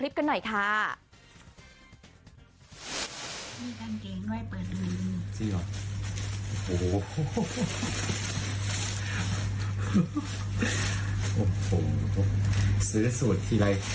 แฟนคือไห้ไงจะใส่วันไหนก็ใส่ได้